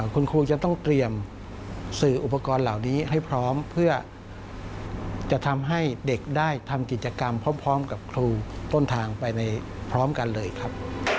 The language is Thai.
คุณครูจะต้องเตรียมสื่ออุปกรณ์เหล่านี้ให้พร้อมเพื่อจะทำให้เด็กได้ทำกิจกรรมพร้อมกับครูต้นทางไปพร้อมกันเลยครับ